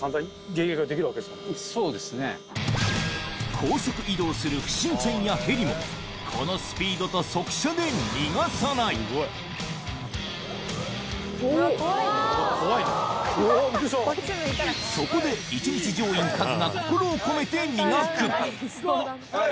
高速移動する不審船やヘリもこのスピードと速射で逃がさないそこで一日乗員カズが心を込めて磨くはい！